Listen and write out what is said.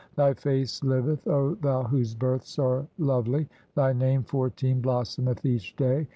Thy face "liveth, O thou whose births are lovely ; thy name "(14) blossometh each day.